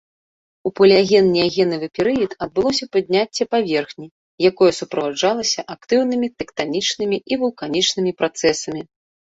У палеаген-неагенавы перыяд адбылося падняцце паверхні, якое суправаджалася актыўнымі тэктанічнымі і вулканічнымі працэсамі.